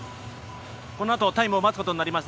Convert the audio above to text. この後、タイムを待つことなります。